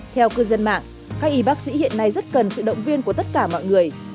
theo cư dân mạng các y bác sĩ hiện nay rất cần sự động viên của tất cả mọi người